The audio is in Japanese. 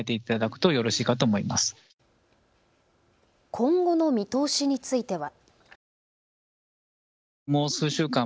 今後の見通しについては。